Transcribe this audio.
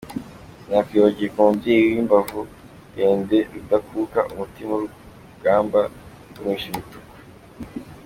Sinakwibagirwa umubyeyi w’imbavu ndende rudakuka umutima urugamba rumisha imituku!